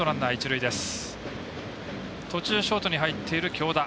途中ショートに入っている京田。